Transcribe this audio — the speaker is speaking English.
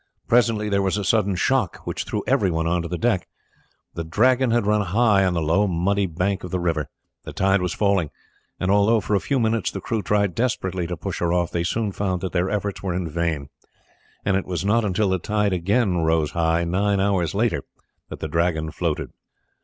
Presently there was a sudden shock which threw everyone on to the deck. The Dragon had run high on the low muddy bank of the river. The tide was falling; and although for a few minutes the crew tried desperately to push her off they soon found that their efforts were in vain, and it was not until the tide again rose high nine hours later that the Dragon floated.